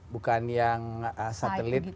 bukan yang satelit